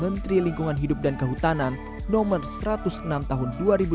menteri lingkungan hidup dan kehutanan nomor satu ratus enam tahun dua ribu dua puluh